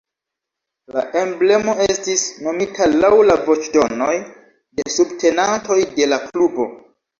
La emblemo estis nomita laŭ la voĉdonoj de subtenantoj de la klubo.